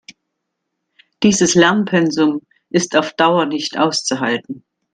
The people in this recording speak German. Dieses Lernpensum ist auf Dauer nicht auszuhalten.